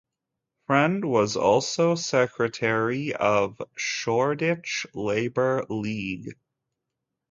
Friend was also secretary of the Shoreditch Labour League.